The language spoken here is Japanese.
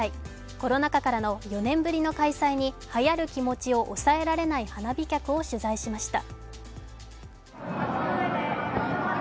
コロナ禍からの４年ぶりの開催にはやる気持ちを抑えられない花火客を取材しました。